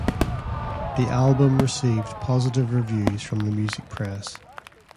The album received positive reviews from the music press.